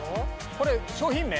これ商品名？